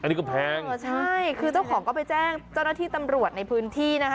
อันนี้ก็แพงเออใช่คือเจ้าของก็ไปแจ้งเจ้าหน้าที่ตำรวจในพื้นที่นะคะ